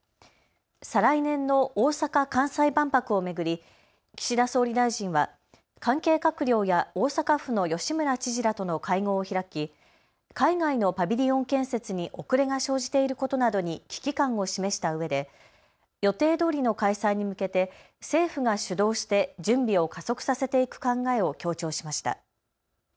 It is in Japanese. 再来年の大阪・関西万博を巡り岸田総理大臣は関係閣僚や大阪府の吉村知事らとの会合を開き、海外のパビリオン建設に遅れが生じていることなどに危機感を示したうえで予定どおりの開催に向けて政府が主導して準備を加速させていく考えを強調しました。